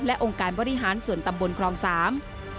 และองค์การบริหารส่วนตำบลคลองสาม